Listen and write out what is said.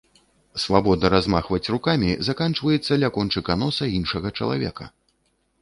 Свабода размахваць рукамі заканчваецца ля кончыка носа іншага чалавека.